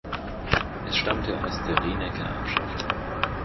Es stammte aus der Rienecker Erbschaft.